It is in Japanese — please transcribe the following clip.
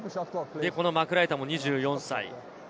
マクライトも２４歳。